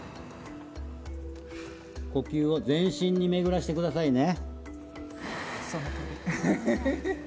呼吸を全身にめぐらせてくださいね。